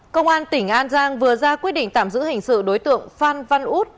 công an tỉnh an giang vừa ra quyết định tạm giữ hình sự đối tượng phan văn út